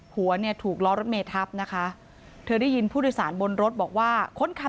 หัวถูกล้อรถเมย์ทัพนะคะ